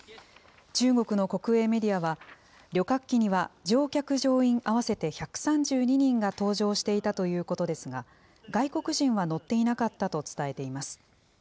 中国の国営メディアは、旅客機には乗客・乗員合わせて１３２人が搭乗していたということですが、外国人は乗っていなかったと伝えています。